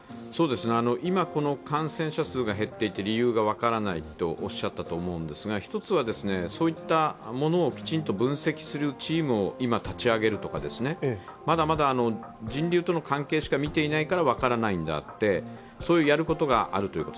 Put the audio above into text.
今、この感染者数が減っていって理由が分からないとおっしゃったと思うんですが、一つは、そういったものをきちんと分析するチームを今、立ち上げるとかまだまだ人流との関係しか見ていないから分からないのであってやることがあるということ。